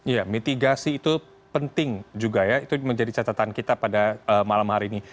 ya mitigasi itu penting juga ya itu menjadi catatan kita pada malam hari ini